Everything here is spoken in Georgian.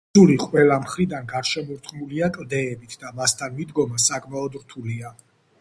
კუნძული ყველა მხრიდან გარშემორტყმულია კლდეებით და მასთან მიდგომა საკმაოდ რთულია.